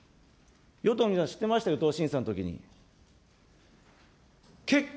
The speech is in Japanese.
与党の皆さん知ってました、党審査のときに。